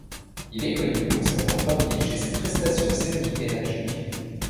Il est connu pour sa longue barbiche et ses prestations scéniques énergiques.